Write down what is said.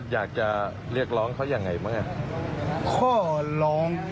อยากจะเรียกร้องเขาอย่างไรมั้ง